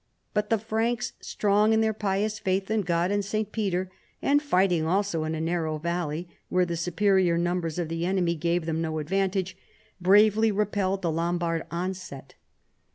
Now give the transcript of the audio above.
But the Franks, strong in their pious faitli in God and St. Peter, and fighting also in a narrow valley, where the superior numbers of the enemy gave them no advantage, bravely repelled the Lombard onset.